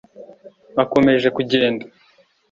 bakomeje kugenda